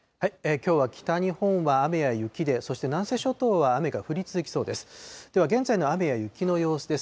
きょうは北日本は雨や雪で、そして南西諸島は雨が降り続きそうです。